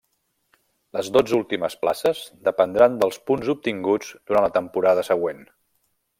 Les dotze últimes places dependran dels punts obtinguts durant la temporada següent.